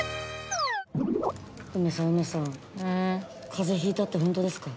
風邪ひいたってホントですか？